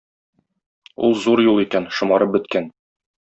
Ул зур юл икән, шомарып беткән.